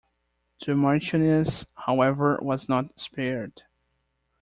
The Marchioness, however, was not spared.